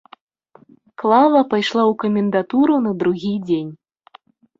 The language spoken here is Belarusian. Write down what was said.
Клава пайшла ў камендатуру на другі дзень.